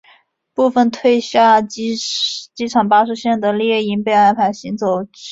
部份退下机场巴士线的猎鹰被安排行走市区线。